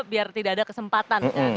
biar tidak ada kesempatan